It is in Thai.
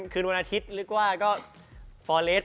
เกมนี้ก็ไม่แปลก